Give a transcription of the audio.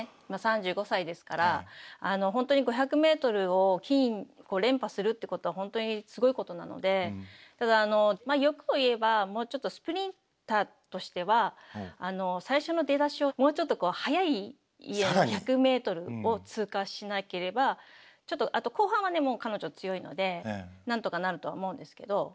まあ３５歳ですから本当に５００ｍを金連覇するってことは本当にすごいことなのでただあの欲を言えばもうちょっとスプリンターとしては最初の出だしをもうちょっと速い１００ｍを通過しなければちょっとあと後半はね彼女強いのでなんとかなるとは思うんですけど。